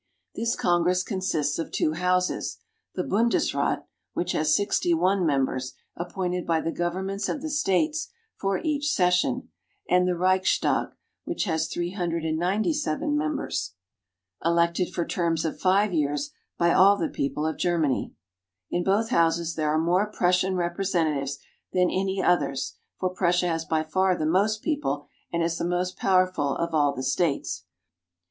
This Congress consists of two houses, the Bundesrat (boon'des rat), which has sixty one members, appointed by the governments of the states for each session, and the Reichstag (rlchs'tak), which has three hundred and ninety seven members elected for terms of five years by all the "We visit the Reichstag building." people of Germany. In both houses there are more Prussian representatives than any others, for Prussia has by far the most people and is the most powerful of all the states.